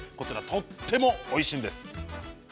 とってもおいしいんです。